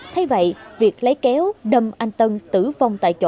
thế vậy việc lấy kéo đâm anh tân tử vong tại chỗ